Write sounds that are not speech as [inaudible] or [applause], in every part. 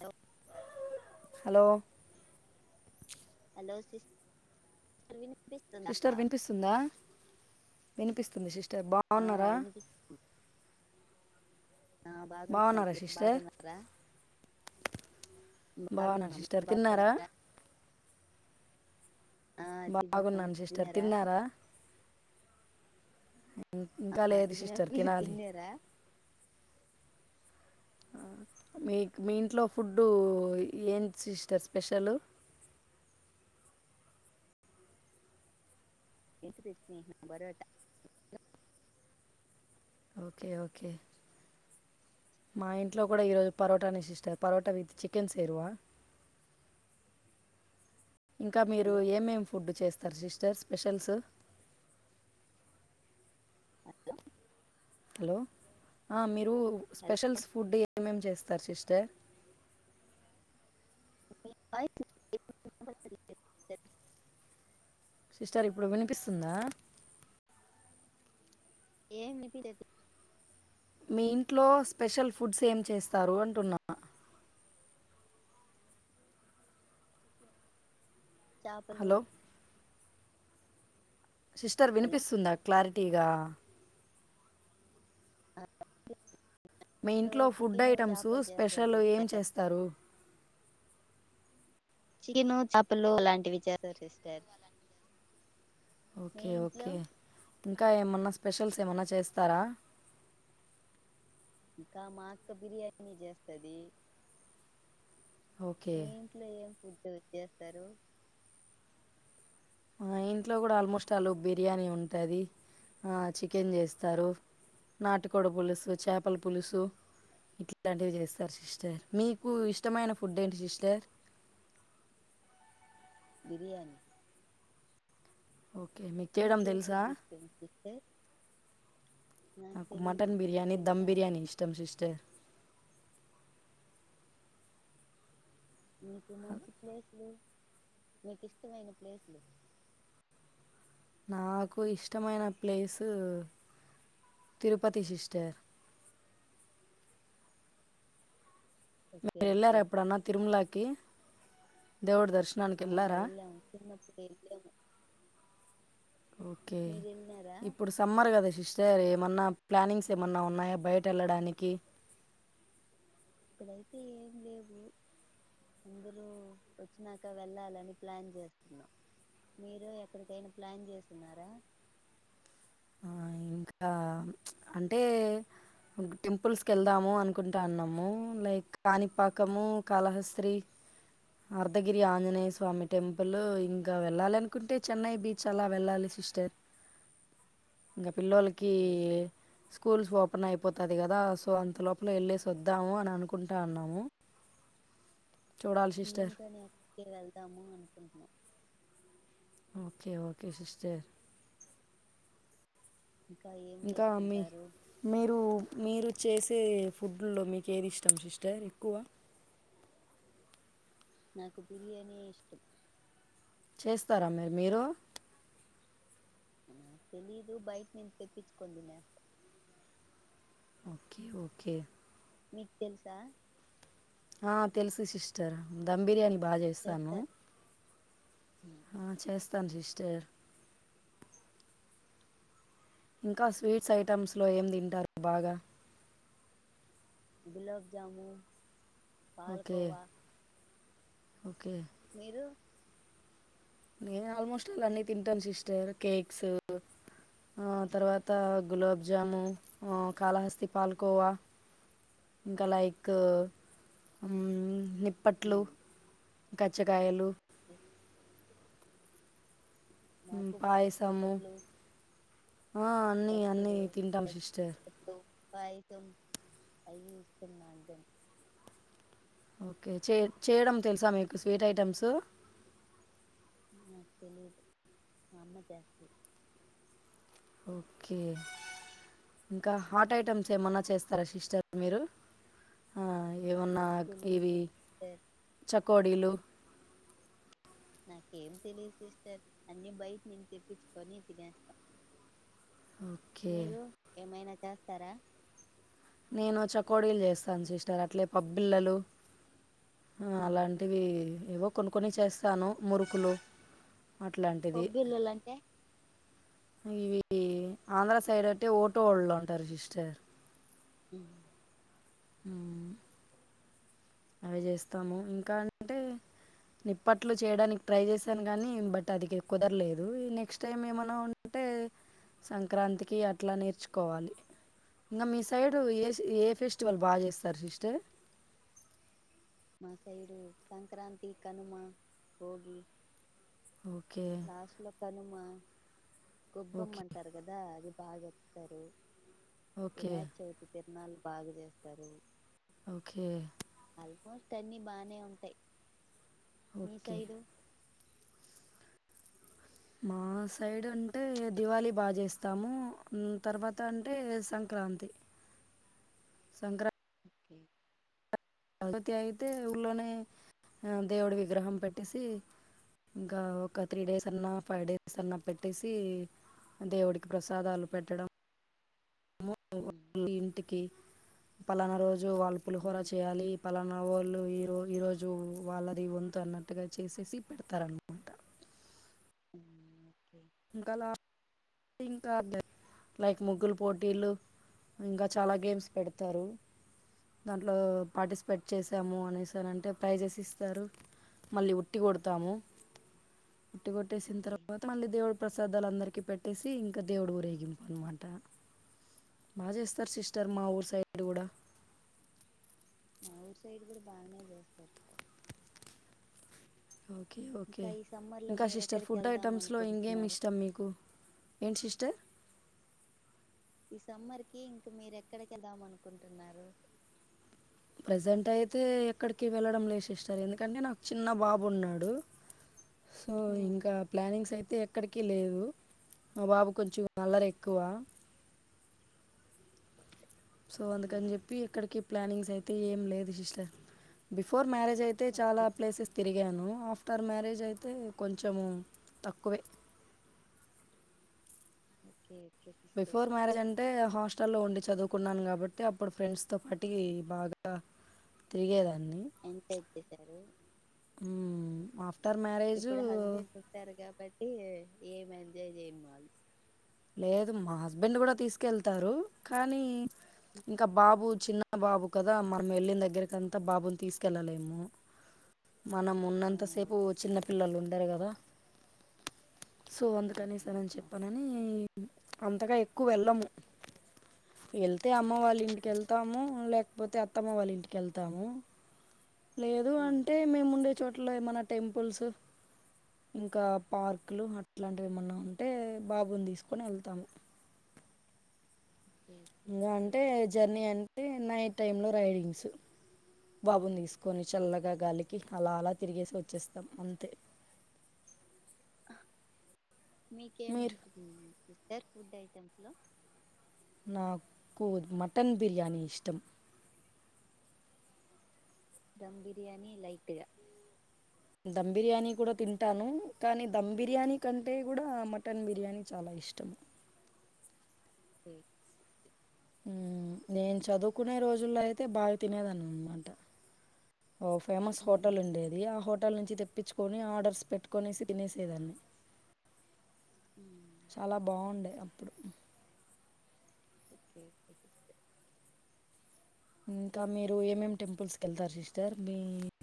The hello hello వినిపిస్తుందా sister వినిపిస్తుందా వినిపిస్తుంది సిస్ ర్ ఆ బాగున్నారా వినిపిస్తు ఆ బాగాన్నము బాగున్నారా మీరు సిస్టర్ బాగున్నారా బాగున్నా బాగున్నాం మీరు సిస్టర్ తిన్నారా బాగున్నారా ఆ తిన్నాం బాగున్నాను మీరు సిస్టర్ తిన్నారా ఇంకా ఆ లేదు తిన్నాం సిస్టర్ మీరు తినాలి తిన్నారా మీకు మీ ఇంట్లో ఫుడ్డు ఏంటి సిస్టర్ స్పెషల్ ఇంటి ప్రతు న బరటా [unintelligible] ఓకే ఓకే మా ఇంట్లో కూడా ఈరోజు పరోటా నే సిస్టర్ పరోట విత్ చికెన్ సేరువా ఇంకా మీరు హలో ఏమేం ఫుడ్ చేస్త ర్ సిస్టర్ స్పెషల్స్ హలో హలో ఆ మీరు హలో స్పెషల్ ఫుడ్ ఏమేం చేస్త రు సిష్టర్ మీలి [unintelligible] సిస్టర్ ఇప్పుడు వినిపిస్తుందా ఏం వినిపియలేదు మీ ఇంట్లో స్పెషల్ ఫుడ్స్ ఏం చేస్తారు అంటున్నా చేపలు హలో సిస్టర్ హలో వినిపిస్తుందా క్లారిటీగా మీ అందులో ఇంట్లో ఫుడ్ చికెను ఐటమ్స్ చేపలు చేస్తారు స్పెషల్ ఏం సిస్టర్ చేస్తారు చికెను చెపలు అలాంటివి చేస్తారు సార్ ఓకే ఓకే ఇంకా ఏమన్నా స్పె షల్స్ ఏమన్నా చేస్తారా ఇంకా మాఅక్క బిర్యానీ చేస్తది ఓకే మీ ఇంట్లో ఏం ఫుడ్ చ్చేస్తారు ఆ ఇంట్లో కూడా ఆల్మోస్ట్ అలుగు బిర్యానీ ఉంటది ఆ చికెన్ చేస్తారు నాటి కోడి పులుసు చేపల పులుసు ఇంకా ఇట్లాంటివి చేస్తారు సిస్టర్ మీకు ఇష్టమైన ఫుడ్ ఏంటి సిస్టర్ బిరియానీ ఓకే మీకు చేయడం మీకే తెలుసా ఫుడ్ ఇష్టం సస్టర్ నాకు మటన్ బిర్యానీ దమ్ తెలుసా బిర్యానీ ఇష్టం సిస్టర్ నీకు మంచి ప్లేసులు నీకు ఇష్టమైన ప్లేసులు నాకు ఇష్టమైన ప్లేసు తిరుపతి సిస్టర్ ఓకే మీరు వెళ్ళార ఓకే ఎప్పుడన్నా తిరుమలకి దేవుడు దర్శన్ ఆ ఎల్లెం చిన్నప్పుడు ఎల్లాము ఓకే వెళ్ళినారా ఇప్పుడు సమ్మర్ కదా సిస్టర్ ఎ మన్నా ప్లానింగ్స్ ఏమన్నా ఉన్నాయా బయట ఎళ్ళడానికి ఇప్పుడైతే ఏం లేవు అందరూ వచ్చినాక వెళ్ళాలని ప్లాన్ చేస్తున్నాం మీరు ఎక్కడికైనా ప్లాన్ చేసున్నారా ఆ ఇంకా ప్చ్అంటే టెంపుల్స్ కి వెళ్దాము అనుకుంటాన్నాము లైక్ కాణిపాకము కాళహస్త్రి అర్ధగిరి ఆంజనేయ స్వామి టెంపుల్ ఇంకా వెళ్ళాలనుకుంటే చెన్నై బీచ్ అలా వెళ్ళాలి సిస్టర్ ఇంక పిల్లోల కి ఓకే ఓకే స్కూల్స్ పొ పన అయిపోతది కదా సో అంత లోపల ఎళ్ళేసి వద్దాము అని అనుకుంటా ఉన్నాము చూడ మేము కానే ఎక్కడికి వెళ్దాము అనుకుంటున్నాం ఓకే ఓకే సిస్టర్ ఇంకా ఏం ఇంకా మీ చేసుకుంటారు మీరు మీరు చేసే ఫుడ్ల్లో మీకు ఏది ఇష్టం సిస్టర్ ఎక్కువ నాకు బిర్యానీ ఇష్టం చేస్తారా మరి మీరు నాకు తెలీదు బయట నుంచి తెప్పించుకోని తినే ఓకే ఓకే మీకు తెలుసా ఆ తెలుసు సిస్టర్ ధమ్ బిర్యానీ బాగా చేస్తారా చేస్తాను ఆ చేస్తాను సిస్టర్ ఇంకా స్వీట్స్ ఐటెమ్స్ లో ఏం తింటారు బాగా గులాబ్జము ఓకే పాలకోవా ఓకే మీరు నేను ఆల్మోస్ట్ అల్ అన్ని తింటాను సిస్టర్ కేక్స్ ఆ తర్వాత గులాబ్జాము ఆ కాళహస్తి పాల్కోవా ఇంకా లైక్ ని ప్పట్లు గచ్చగాయలు నాకు బెల్లపు పాయసము నిప్పట్లు ఆ అన్నీ అన్నీ తింటాం సిస్టర్ పాయిసం అయ్య ఇస్తున్నా ఓకే చే చేయడం తెలుసా మీకు స్వీట్ ఐటమ్స్ ఆ తెలిదు అమ్మ చేస్తది ఓకే ఇంకా హాట్ ఐటెమ్స్ ఏమన్నా చేస్తారా సిస్టర్ మీరు ఆ ఏమన్నా నాకేం ఇవి తెలియదు సిస్టర్ చకోడీలు నాకేం తెలిదు సిస్టర్ అన్ని బయట నేను తేపించుకొని తినేస్తా ఓకే మీరు ఏమైనా చేస్తారా నేను చకోడీలు చేస్తాను సిస్టర్ అట్లే పబ్బిళ్ళలు అలాంటివి ఏవో కొన్ని కొని చేస్తాను మురుకులు అట్లాంటిది పబ్బిల్లలు అంటే ఇవి ఆంధ్ర సైడ్ అట్టే ఓటో వాళ్ళు అంటారు సిస్టర్ అ ఆ అవి చేస్తాము ఇంకా అంటే నిప్పట్లు చేయడానికి ట్రై చేసాను గాని బట్ అది కుదరలేదు నెక్స్ట్ టైమ్ ఏమైనా ఉంటే టె సంక్రాంతికి అట్లా నేర్చుకోవాలి ఇంకా మీ సైడు ఏ ఏ ఫెస్టివల్ బాగా చేస్తారు సిస్టర్ మా సైడు సంక్రాంతి కనుమ బోగి ఓకే లాస్ట్ లో కనుమ గోబ్బమ్ ఓకే అంటారు కదా అది బాగా చెస్తరు ఓకే వినాయక చవితి కునలు బాగా చేస్తారు ఓకే ఆల్మోస్ట్ అన్ని బానే ఉంటాయి మీ ఓకే సైడు మా సైడ్ అంటే దివాళి బా చేస్తాము హ్మ్ తర్వాత అంటే సంక్ క్రాంతి సంక్రా ఓకే గపతి అయితే ఊళ్లోనే ఆ దేవుడి విగ్రహం పెట్టేసి ఇంకా ఒక త్రీ డేస్ అన్నా ఫైవ్ డేస్ అన్నా పెట్టేసి దేవుడికి ప్రసాదాలు పెట్టడం ఉమ్ ఇంటికి పలానా రోజు వాళ్ళు పులిహోర ఉమ్ చేయాలి పలానా మా వోళ్ళు ఈరో ఈ రోజు వాళ్ళది వంతు అన్నట్టుగా చేసేసి పెడతారన్నమాట ఓకే ఇంకలా ఇంక లైక్ ముగ్గులు పోటీలు ఇంకా చాలా గేమ్స్ పెడతారు దాంట్లో పార్టిసిపేట్ చేసాము అనేసారంటే ప్రైజెస్ ఇస్తారు మళ్ళీ ఉట్టి కొడతాము ఉట్టి కొట్టేసిన్ ఓకే తర్వాత మళ్ళీ దేవుడు పిల్లలందరికీ పెట్టేసి ఇంకా దేవుడు ఊరేగింపు అన్మాట బా చేస్తారు సిస్టర్ మా ఊరు సైడు కూడా మా ఊరు సైడ్ కూడా బానే చేస్తారు ఓకే ఓకే ఇంకా ఈ సమ్మర్ లో ఇంకా మీరు సిస్టర్ ఎక్కడికి ఫుడ్ వెళ్దాం ఐటమ్స్లో అనుకుంటున్నారు ఇంకేమిష్టం మీకు ఏంటి సిస్ టె ఈ సమ్మర్ కి ఇంక మీరు ఎక్కడి కెల్దా మనుకుంటున్నారు ప్రజెంట్ అయితే ఎక్కడికి వెళ్ళడం లేదు సిస్టర్ ఎందుకంటే నాకు చిన్న బాబున్నాడు సో ఉమ్ ఇంకా ప్లానింగ్స్ అయితే ఎక్ క్కడికి లేదు మా బాబు కొంచెం అల్లరెక్కువ సో అందుకన్ ఉమ్ చెప్పి ఎక్కడికి ప్లానింగ్స్ అయితే ఏం లేదు సిస్టర్ బిఫోర్ మ్యారేజ్ అయితే చాలా ఓకే ప్లేసెస్ తిరి గాను ఆఫ్టర్ మారేజ్ అయితే కొంచం తక్కువే ఓకే సిస్టర్ బిఫోర్ మ్యారేజ్ అంటే హాస్టల్లో ఉండి చదువుకున్నాను కాబట్టి అప్పుడు ఫ్రెండ్స్తో పాటి బాగా తిరిగేదాన్ని ఎంజాయ్ చేసారు ఆఫ్టర్ మ్యారేజ్ ఇప్పుడు హస్బెండ్ పుట్టారు కాబట్టి ఏం ఎంజాయ్ చేయ్యము లేదు మా హస్బెండ్ కూడా తీసుకెళ్తారు కానీ ఇంకా బాబు చిన్న బాబు కదా మనం వెళ్ళిన దగ్గరకంతా బాబున్ తీసుకెళ్ళలేము మనం ఆ ఉన్నంతసేపు చిన్నపిల్లలుండరు కదా సో ఆ అందుకనీస నని ఆ చెప్పానని అంతగా ఎక్కు వెళ్ళము వెళ్తే అమ్మ వాళ్ళింటికెళ్తాము లేక్ పోతే అత్తమ్మ వాళ్ళింటికెళ్తాము లేదు ఆ అంటే మేముండే చోట్ల ఏమన టెంపుల్సు ఇంకా పార్కులు అట్లాంటివేమన్నా ఉంటే బాబున్ తీస్ కొనెళ్తాము ఓకే ఓకే ఇంకా అంటే సిస్టర్ జర్నీ అంటే నైట్ టైంలో రైడింగ్సు బాబున్ తీస్ కొన్ని చల్లగా గాలికి అలా అలా తిరిగేసి వచ్చేస్తాం అంతే మీరు మీకేమిష్టం సిస్టర్ ఫుడ్ ఐటమ్స్లో నాకు మటన్ బిర్యానీ ఇష్టం దమ్ బిర్యానీ లైట్ గా ధమ్ బిర్యానీ కూడా తింటాను కానీ ధమ్ బిర్యానీ కంటే కూడా మటన్ బిర్యానీ చాలా ఇష్టం సిక్ ఎమ్ ఉమ్మ్ నేను చదువుకునే రోజుల్లో అయితే బాగా తినేదనన్నమాట ఓ ఫేమస్ ఉమ్ హోటల్ ఉండేది ఆ హోట్ హోటల్ నుంచి తెప్పించుకొని ఆర్డర్స్ పెట్టుకొనేసి తినేసేదాన్ని ఉమ్ చాలా బావుండే అప్ ఏం [unintelligible] ఇంకా మీరు ఏం ఏం టెంపుల్స్ కేళ్తారు సిస్టర్ మీ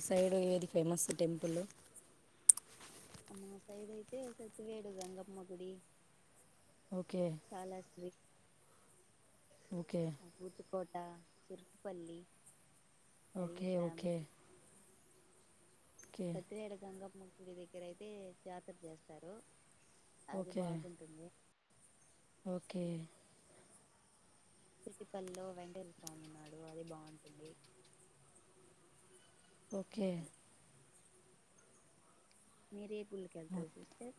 సైడ్ ఏది ఫేమస్ టెంపులు టీచీక్ అమ్మా సైడ్ అయితే సత్ వేడు గంగమ్మ గుడి ఓకే. కాలాశ్రీ ఓకే కోట చురుక్ పల్లి ఓకే ఓకే ఓకే. సతిరేడు గంగమ్మ గుడి దెగ్గరయితే జాతర జేస్తారు అది ఓకే. బాగుంటుంది ఓకే త్రిటిపల్లో వెంకటేశ్వర స్వామి ఉన్నాడు అది బాగుంటుంది ఓకే మీరే గుళ్లకేళ్తారు ఓహ్! సిస్టర్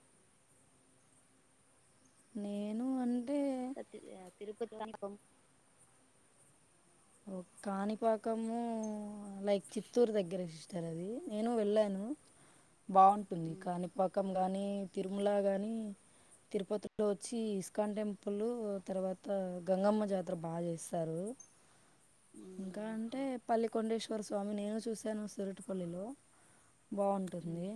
నేను అన్ కొద్ది సంతకం ఒ కాణిపాకము లైక్ చిత్తూరు దెగ్గర సిస్టర్ అది నేను వెళ్ళాను బాగుంటుంది కాణిపాకం గానీ తిరుమల గానీ తిరుపతిలో వచ్చి ఇస్కాన్ టెంపులు తర్వాత గంగమ్మ జాతర బాగా జేస్తారు ఉ ఉమ్ ఇంకా అంటే ఓకే పల్లి కొండేశ్వర స్వామి నేను చూశాను సురుట్టుపల్లిలో బావుంటుంది ఉమ్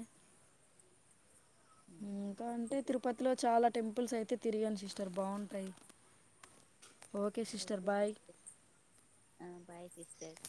ఉమ్ ఇంకా ఓకే అంటే సిస్టర్ తిరుపతిలో చాలా టెంపుల్స్ అయితే తిరిగాను సిస్టర్ బావుంటాయి ఆ బై సిస్టర్